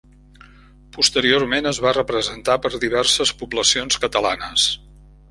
Posteriorment es va representar per diverses poblacions catalanes.